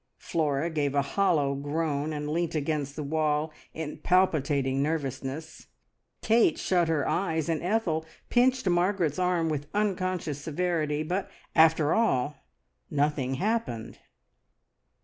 Flora gave a hollow groan and leant against the wall in palpitating nervousness; Kate shut her eyes, and Ethel pinched Margaret's arm with unconscious severity; but, after all, nothing happened!